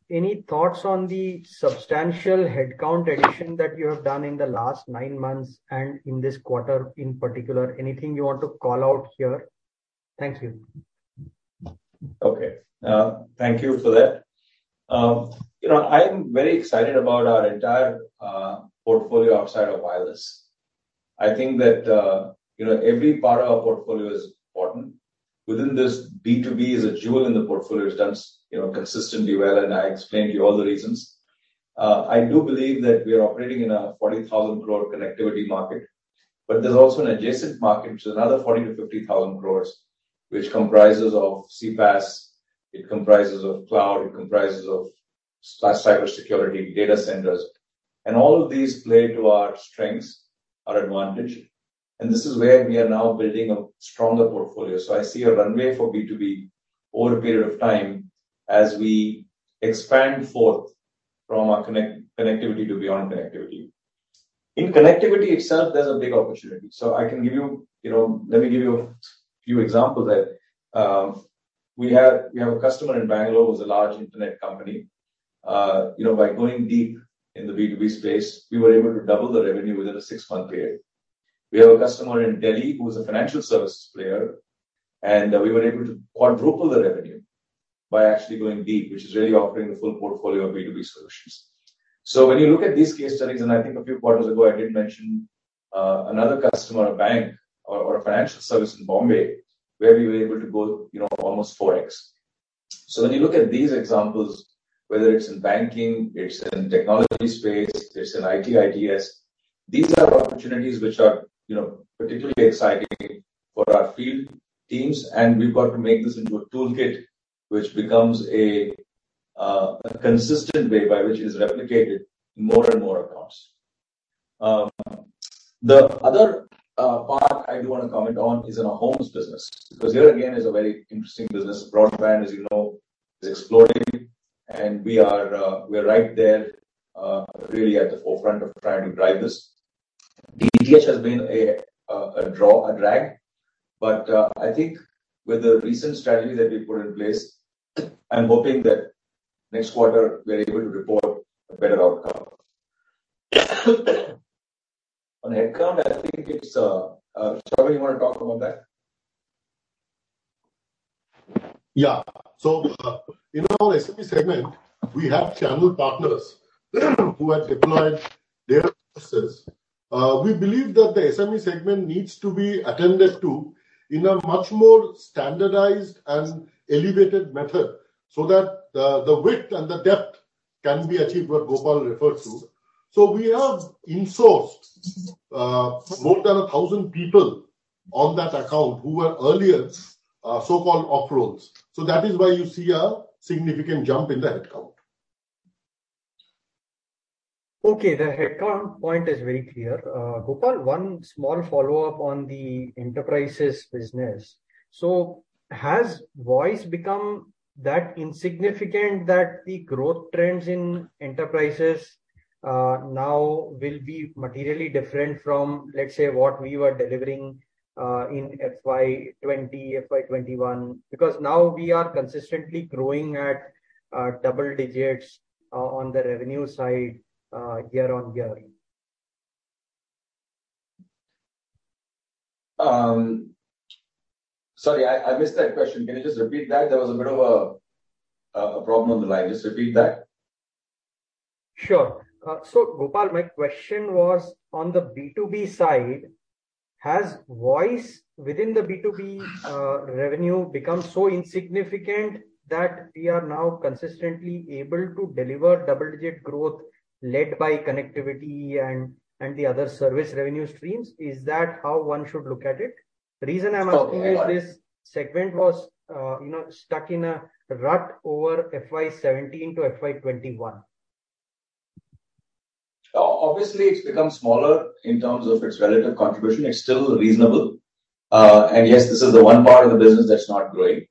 any thoughts on the substantial headcount addition that you have done in the last nine months and in this quarter in particular? Anything you want to call out here? Thank you. Thank you for that. You know, I am very excited about our entire portfolio outside of wireless. I think that, you know, every part of our portfolio is important. Within this, B2B is a jewel in the portfolio. It's done, you know, consistently well, and I explained to you all the reasons. I do believe that we are operating in a 40,000 crore connectivity market. But there's also an adjacent market which is another 40,000 crore-50,000 crore, which comprises CPaaS, cloud, SaaS, cybersecurity, data centers. All of these play to our strengths, our advantage. This is where we are now building a stronger portfolio. I see a runway for B2B over a period of time as we expand forth from our connectivity to beyond connectivity. In connectivity itself, there's a big opportunity. I can give you know, let me give you a few examples that we have a customer in Bangalore who's a large internet company. You know, by going deep in the B2B space, we were able to double the revenue within a six-month period. We have a customer in Delhi who is a financial service player, and we were able to quadruple the revenue by actually going deep, which is really offering the full portfolio of B2B solutions. When you look at these case studies, and I think a few quarters ago I did mention another customer, a bank or a financial service in Bombay, where we were able to go, you know, almost 4x. When you look at these examples, whether it's in banking, it's in technology space, it's in IT, ITES, these are opportunities which are, you know, particularly exciting for our field teams. We've got to make this into a toolkit which becomes a consistent way by which it is replicated more and more across. The other part I do wanna comment on is in our homes business, because here again is a very interesting business. Broadband, as you know, is exploding and we are right there really at the forefront of trying to drive this. DTH has been a drag, but I think with the recent strategy that we put in place, I'm hoping that next quarter we're able to report a better outcome. On headcount, I think it's, Soumen, you wanna talk about that? Yeah. You know, SME segment, we have channel partners who have deployed their resources. We believe that the SME segment needs to be attended to in a much more standardized and elevated method so that the width and the depth can be achieved, what Gopal referred to. We have in-sourced more than 1,000 people on that account who were earlier so-called off-rolls. That is why you see a significant jump in the headcount. Okay, the headcount point is very clear. Gopal, one small follow-up on the enterprises business. Has voice become that insignificant that the growth trends in enterprises now will be materially different from, let's say, what we were delivering in FY 2020, FY 2021? Because now we are consistently growing at double digits on the revenue side year-on-year. Sorry, I missed that question. Can you just repeat that? There was a bit of a problem on the line. Just repeat that. Sure. Gopal, my question was on the B2B side, has voice within the B2B revenue become so insignificant that we are now consistently able to deliver double-digit growth led by connectivity and the other service revenue streams? Is that how one should look at it? The reason I'm asking is this segment was, you know, stuck in a rut over FY2017-FY2021. Obviously, it's become smaller in terms of its relative contribution. It's still reasonable. Yes, this is the one part of the business that's not growing.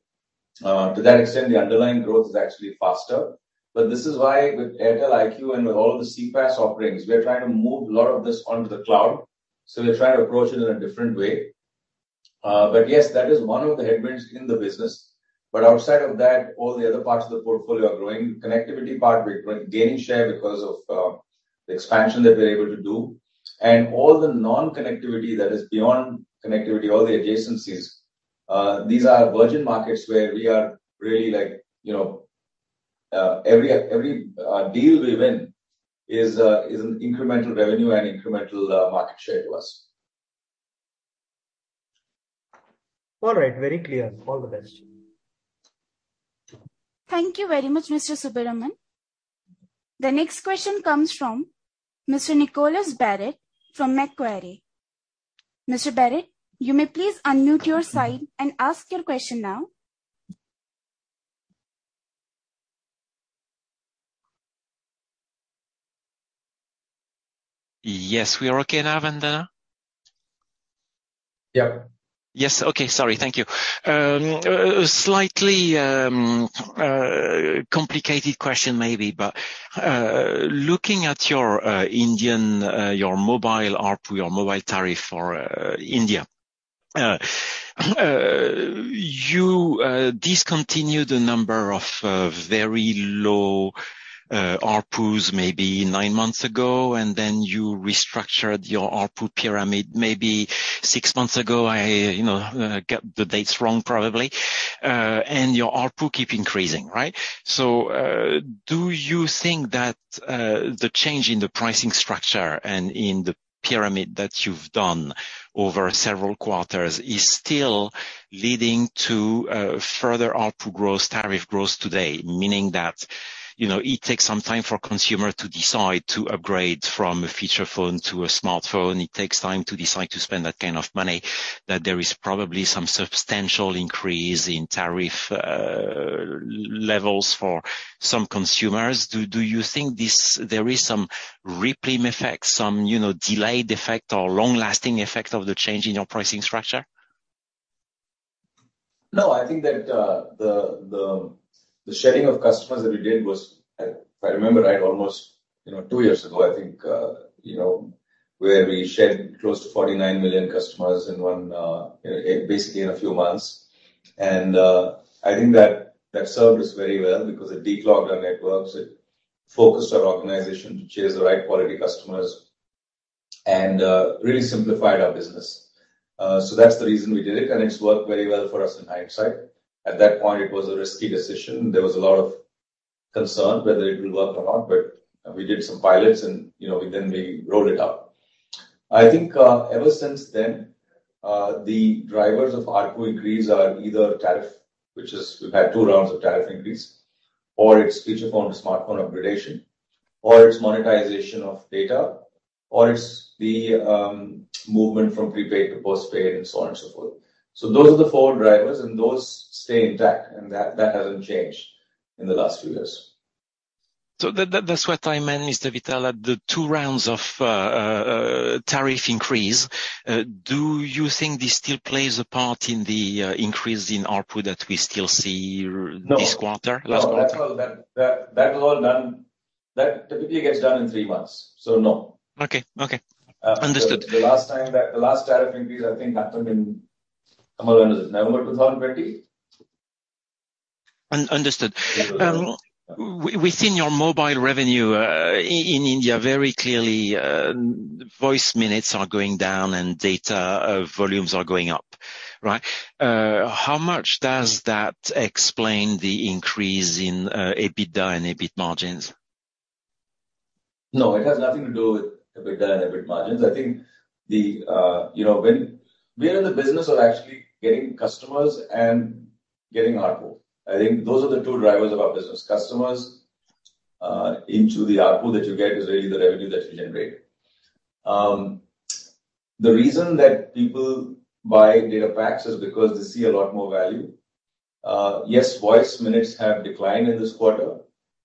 To that extent, the underlying growth is actually faster. This is why with Airtel IQ and with all of the CPaaS offerings, we are trying to move a lot of this onto the cloud. We're trying to approach it in a different way. Yes, that is one of the headwinds in the business. Outside of that, all the other parts of the portfolio are growing. Connectivity part, we're gaining share because of the expansion that we're able to do. All the non-connectivity that is beyond connectivity, all the adjacencies, these are virgin markets where we are really like, you know, every deal we win is an incremental revenue and incremental market share to us. All right. Very clear. All the best. Thank you very much, Mr. Subramaniam. The next question comes from Mr. Nicholas Barrett from Macquarie. Mr. Barrett, you may please unmute your side and ask your question now. Yes. We are okay now, Avaada? Yeah. Yes. Okay. Sorry. Thank you. Slightly complicated question maybe, but looking at your Indian mobile ARPU, your mobile tariff for India. You discontinued a number of very low ARPUs maybe 9 months ago, and then you restructured your ARPU pyramid maybe 6 months ago. I, you know, get the dates wrong probably. Your ARPU keep increasing, right? Do you think that the change in the pricing structure and in the pyramid that you've done over several quarters is still leading to further ARPU growth, tariff growth today? Meaning that, you know, it takes some time for consumer to decide to upgrade from a feature phone to a smartphone. It takes time to decide to spend that kind of money, that there is probably some substantial increase in tariff. Levels for some consumers. Do you think that there is some reclaim effect, some, you know, delayed effect or long-lasting effect of the change in your pricing structure? No. I think that the shedding of customers that we did was, if I remember right, almost, you know, two years ago, I think, you know, where we shed close to 49 million customers in one, basically in a few months. I think that served us very well because it declogged our networks, it focused our organization to chase the right quality customers and really simplified our business. That's the reason we did it, and it's worked very well for us in hindsight. At that point, it was a risky decision. There was a lot of concern whether it will work or not, but we did some pilots and we then rolled it out. I think ever since then the drivers of ARPU increase are either tariff, which is we've had two rounds of tariff increase, or it's feature phone to smartphone upgradation, or it's monetization of data, or it's the movement from prepaid to postpaid, and so on and so forth. Those are the four drivers, and those stay intact, and that hasn't changed in the last few years. That's what I meant, Mr. Vittal, at the two rounds of tariff increase. Do you think this still plays a part in the increase in ARPU that we still see? No. This quarter, last quarter? No, that's all. That was all done. That typically gets done in three months, so no. Okay. Understood. The last tariff increase, I think, happened in, when was it? November 2020? Understood. Within your mobile revenue in India, very clearly, voice minutes are going down and data volumes are going up, right? How much does that explain the increase in EBITDA and EBIT margins? No, it has nothing to do with EBITDA and EBIT margins. I think you know, we are in the business of actually getting customers and getting ARPU. I think those are the two drivers of our business. Customers into the ARPU that you get is really the revenue that you generate. The reason that people buy data packs is because they see a lot more value. Yes, voice minutes have declined in this quarter.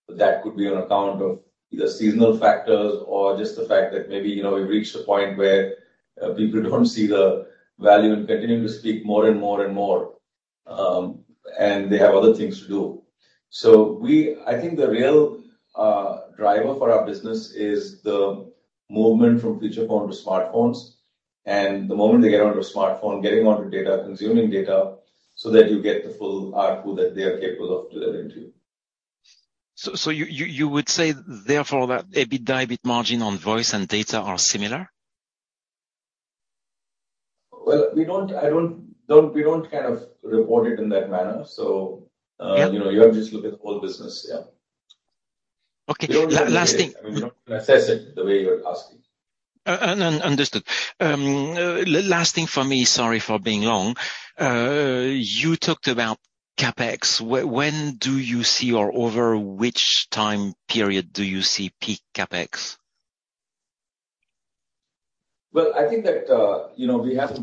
That could be on account of either seasonal factors or just the fact that maybe you know, we've reached a point where people don't see the value in continuing to speak more and more, and they have other things to do. I think the real driver for our business is the movement from feature phone to smartphones. The moment they get onto a smartphone, getting onto data, consuming data, so that you get the full ARPU that they are capable of delivering to you. You would say therefore that EBITDA, EBIT margin on voice and data are similar? Well, we don't kind of report it in that manner. Yeah. You know, you have to just look at the whole business. Yeah. Okay. Last thing. We don't look at it. I mean, we don't assess it the way you're asking. Understood. Last thing for me. Sorry for being long. You talked about CapEx. When do you see, or over which time period do you see peak CapEx? Well, I think that, you know, we have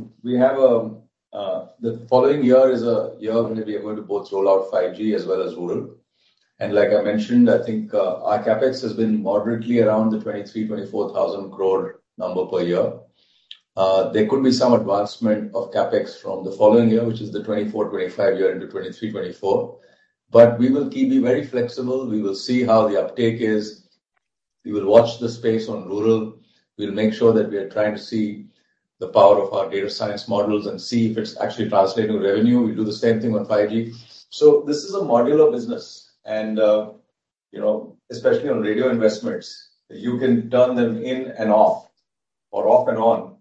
the following year is a year where we are going to both roll out 5G as well as rural. Like I mentioned, I think, our CapEx has been moderately around the 23,000 crore-24,000 crore number per year. There could be some advancement of CapEx from the following year, which is the 2024-2025 year into 2023-2024. We will keep being very flexible. We will see how the uptake is. We will watch the space on rural. We'll make sure that we are trying to see the power of our data science models and see if it's actually translating revenue. We'll do the same thing on 5G. This is a modular business and, you know, especially on radio investments, you can turn them in and off or off and on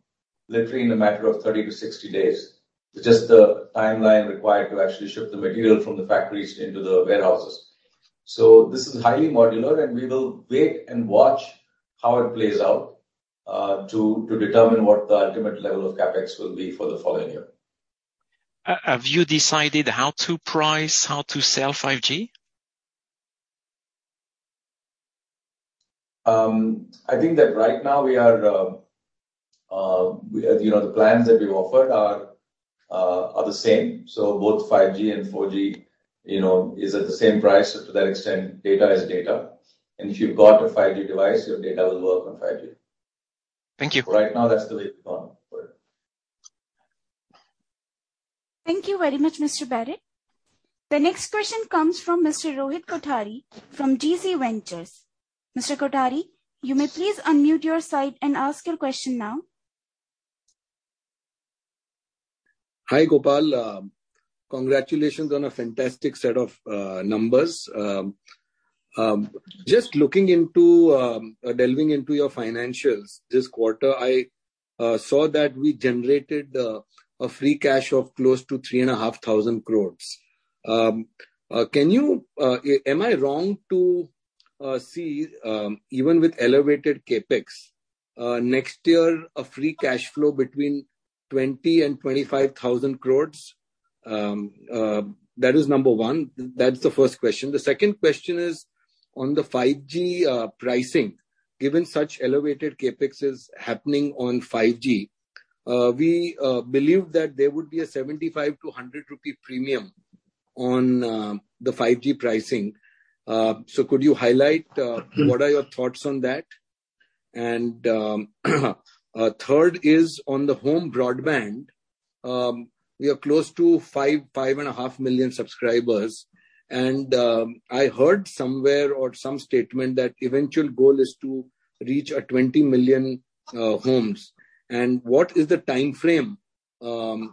literally in a matter of 30-60 days. It's just the timeline required to actually ship the material from the factories into the warehouses. This is highly modular, and we will wait and watch how it plays out, to determine what the ultimate level of CapEx will be for the following year. Have you decided how to price, how to sell 5G? I think that right now we are, you know, the plans that we offered are the same. So both 5G and 4G, you know, is at the same price. To that extent, data is data. If you've got a 5G device, your data will work on 5G. Thank you. Right now, that's the way we've gone for it. Thank you very much, Mr. Barrett. The next question comes from Mr. Rohit Kothari from DC Ventures. Mr. Kothari, you may please unmute your side and ask your question now. Hi, Gopal. Congratulations on a fantastic set of numbers. Just looking into delving into your financials this quarter, I saw that we generated a free cash of close to 3,500 crore. Can you, am I wrong to see, even with elevated CapEx next year, a free cash flow between 20,000 crore and 25,000 crore? That is number one. That's the first question. The second question is on the 5G pricing. Given such elevated CapEx is happening on 5G, we believe that there would be a 75-100 rupee premium on the 5G pricing. So could you highlight what are your thoughts on that? Third is on the home broadband. We are close to 5.5 million subscribers, and I heard somewhere or some statement that eventual goal is to reach 20 million homes. What is the timeframe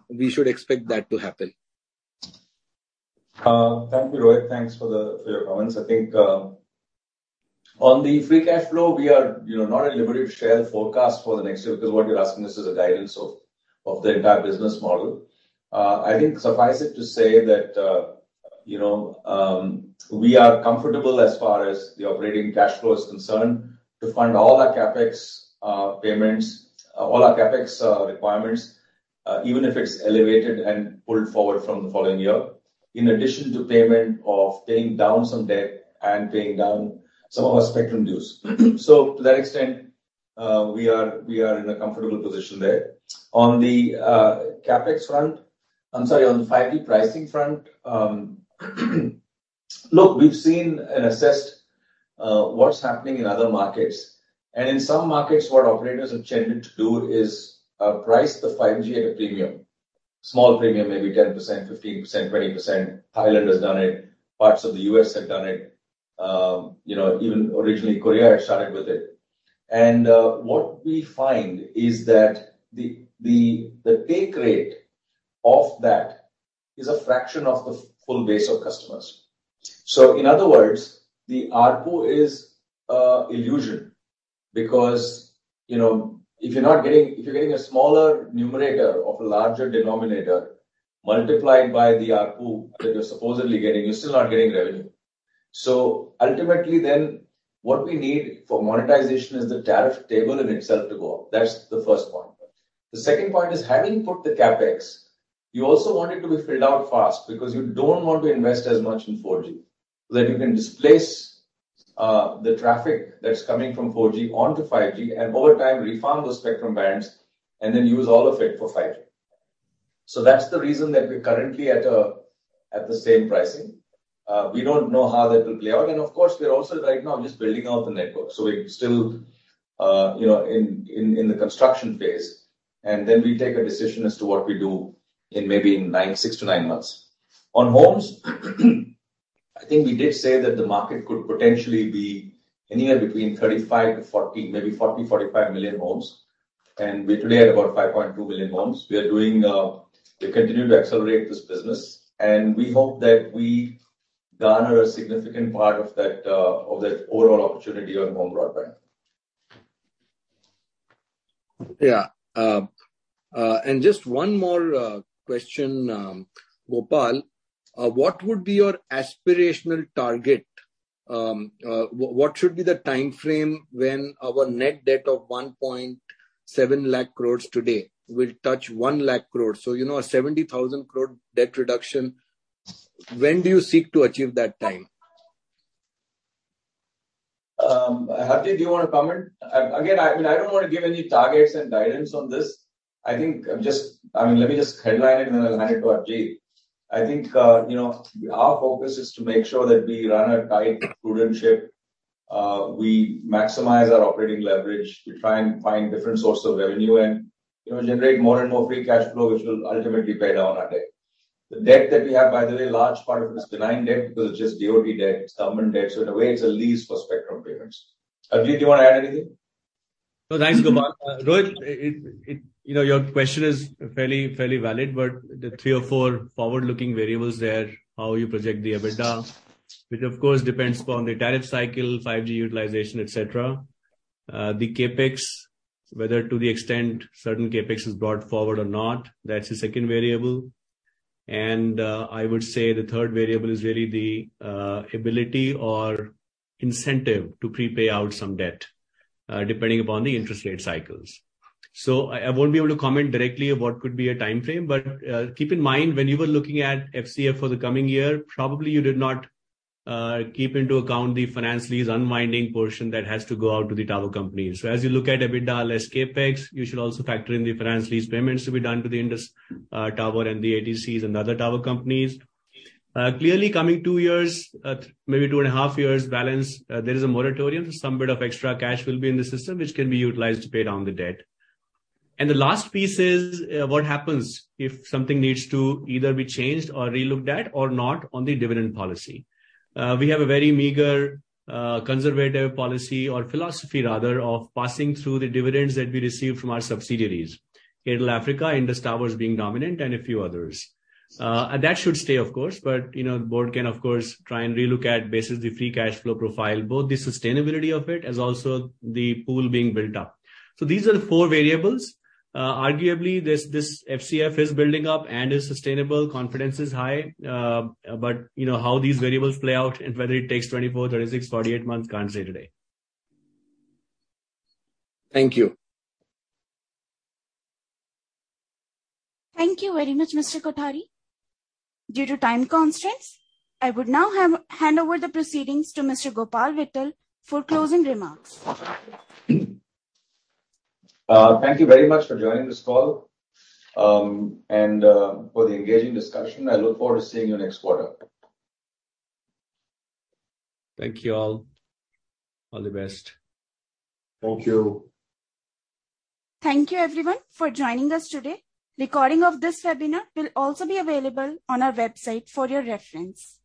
we should expect that to happen? Thank you, Rohit. Thanks for your comments. I think on the free cash flow, we are, you know, not at liberty to share the forecast for the next year because what you're asking us is a guidance of the entire business model. I think suffice it to say that, you know, we are comfortable as far as the operating cash flow is concerned to fund all our CapEx payments, all our CapEx requirements, even if it's elevated and pulled forward from the following year, in addition to paying down some debt and paying down some of our spectrum dues. To that extent, we are in a comfortable position there. On the CapEx front. I'm sorry, on the 5G pricing front, look, we've seen and assessed what's happening in other markets. In some markets, what operators have tended to do is price the 5G at a premium. Small premium, maybe 10%, 15%, 20%. Thailand has done it. Parts of the U.S. have done it. You know, even originally Korea had started with it. What we find is that the take rate of that is a fraction of the full base of customers. In other words, the ARPU is a illusion because, you know, if you're getting a smaller numerator of a larger denominator multiplied by the ARPU that you're supposedly getting, you're still not getting revenue. Ultimately, what we need for monetization is the tariff table in itself to go up. That's the first point. The second point is, having put the CapEx, you also want it to be filled out fast because you don't want to invest as much in 4G, so that you can displace the traffic that's coming from 4G onto 5G and over time refund those spectrum bands and then use all of it for 5G. That's the reason that we're currently at the same pricing. We don't know how that will play out. Of course we are also right now just building out the network, so we're still, you know, in the construction phase, and then we take a decision as to what we do in six to nine months. On homes, I think we did say that the market could potentially be anywhere between 35 million-40 million, maybe 40 million-45 million homes. We today are about 5.2 billion homes. We continue to accelerate this business, and we hope that we garner a significant part of that overall opportunity on home broadband. Just one more question, Gopal. What would be your aspirational target? What would be the timeframe when our net debt of 1.7 lakh crores today will touch 1 lakh crores? You know, a 70,000 crore debt reduction, when do you seek to achieve that time? Harjeet, do you wanna comment? Again, I mean, I don't wanna give any targets and guidance on this. I think just I mean, let me just headline it and then I'll hand it to Harjeet. I think, you know, our focus is to make sure that we run a tight prudent ship. We maximize our operating leverage. We try and find different sources of revenue and, you know, generate more and more free cash flow, which will ultimately pay down our debt. The debt that we have, by the way, a large part of it is benign debt because it's just DoT debt, government debt, so in a way it's a lease for spectrum payments. Harjeet, do you wanna add anything? No, thanks, Gopal. Rohit, you know, your question is fairly valid, but the three or four forward-looking variables there, how you project the EBITDA, which of course depends upon the tariff cycle, 5G utilization, et cetera. The CapEx, whether to the extent certain CapEx is brought forward or not, that's the second variable. I would say the third variable is really the ability or incentive to prepay out some debt, depending upon the interest rate cycles. I won't be able to comment directly on what could be a timeframe, but keep in mind when you were looking at FCF for the coming year, probably you did not take into account the finance lease unwinding portion that has to go out to the tower companies. As you look at EBITDA less CapEx, you should also factor in the finance lease payments to be done to the Indus Towers and the ADCs and other tower companies. Clearly, coming two years, maybe two and a half years' balance, there is a moratorium. Some bit of extra cash will be in the system, which can be utilized to pay down the debt. The last piece is, what happens if something needs to either be changed or re-looked at or not on the dividend policy? We have a very meager, conservative policy or philosophy rather, of passing through the dividends that we receive from our subsidiaries, Airtel Africa, Indus Towers being dominant, and a few others. That should stay, of course, but you know, The Board can of course try and relook at basis the free cash flow profile, both the sustainability of it, as also the pool being built up. These are the four variables. Arguably, this FCF is building up and is sustainable. Confidence is high. You know, how these variables play out and whether it takes 24, 36, 48 months, can't say today. Thank you. Thank you very much, Mr. Kothari. Due to time constraints, I would now hand over the proceedings to Mr. Gopal Vittal for closing remarks. Thank you very much for joining this call. For the engaging discussion. I look forward to seeing you next quarter. Thank you all. All the best. Thank you. Thank you everyone for joining us today. Recording of this webinar will also be available on our website for your reference.